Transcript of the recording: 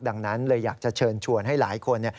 ดังนั้นเลยอยากจะเชิญชวนให้หลายคน